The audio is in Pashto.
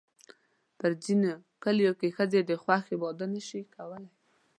په ځینو کلیو کې ښځې د خوښې واده نه شي کولی.